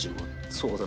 そうだ。